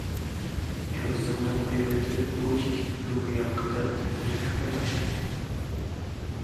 ئېغىزىمنى قويۇۋېتىپ بۇ ئىككى يىلدىن بۇيانقى دەردىمنى تۆكۈپلا تاشلىدىم.